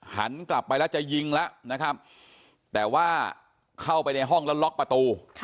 หันกลับไปแล้วจะยิงแล้วนะครับแต่ว่าเข้าไปในห้องแล้วล็อกประตู